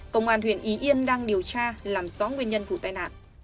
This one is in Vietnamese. công an huyện ý yên đang điều tra làm rõ nguyên nhân vụ tai nạn